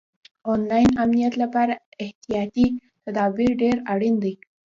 آنلاین امنیت لپاره احتیاطي تدابیر ډېر اړین دي.